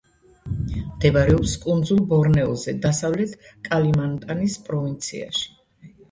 მდებარეობს კუნძულ ბორნეოზე, დასავლეთ კალიმანტანის პროვინციაში.